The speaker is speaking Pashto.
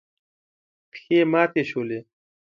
پښې ماتې شولې.